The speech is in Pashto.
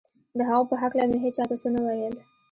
د هغو په هکله مې هېچا ته څه نه ویل